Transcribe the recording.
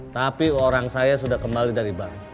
tapi orang saya sudah kembali dari bank